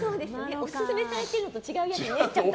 オススメされてるのと違うやつを。